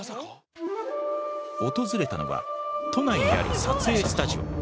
訪れたのは都内にある撮影スタジオ。